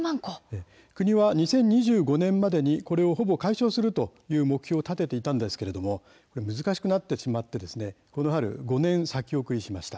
国は２０２５年までにこれをほぼ解消するという目標を立てていたんですが難しくなってしまってこの春、５年先送りしました。